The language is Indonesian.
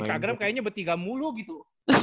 instagram kayaknya bertiga mulu gitu